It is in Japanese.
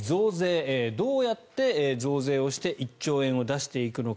どうやって増税をして１兆円を出していくのか。